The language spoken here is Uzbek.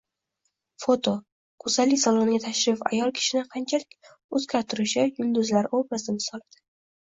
Foto: Go‘zallik saloniga tashrif ayol kishini qanchalik o‘zgartirishi yulduzlar obrazi misolida